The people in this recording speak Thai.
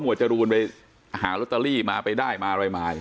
จรูนไปหาลอตเตอรี่มาไปได้มาอะไรมา